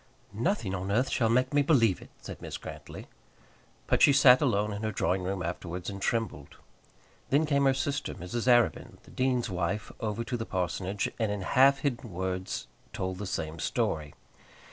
"Nothing on earth shall make me believe it," said Mrs. Grantly. But she sat alone in her drawing room afterwards and trembled. Then came her sister, Mrs. Arabin, the dean's wife, over to the parsonage, and in half hidden words told the same story.